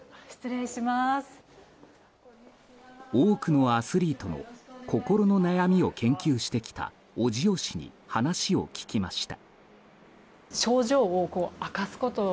多くのアスリートの心の悩みを研究してきた小塩氏に話を聞きました。